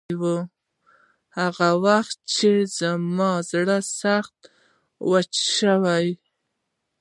هغه وخت چې زما زړه سخت او وچ شي.